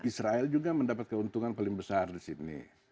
israel juga mendapat keuntungan paling besar di sini